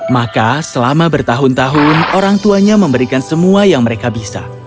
maka selama bertahun tahun orang tuanya memberikan semua yang mereka bisa